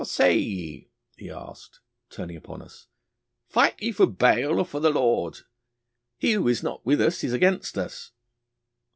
'How say ye,' he asked, turning upon us, 'fight ye for Baal or for the Lord? He who is not with us is against us.